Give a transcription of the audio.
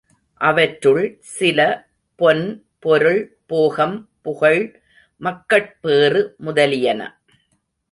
அவற்றுள் சில பொன், பொருள், போகம், புகழ், மக்கட்பேறு முதலியன.